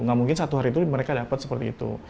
nah mungkin satu hari itu mereka dapat seperti itu